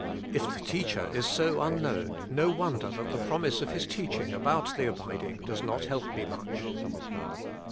If the Teacher is so unknown, no wonder that the promise of His teaching about the abiding does not help me much.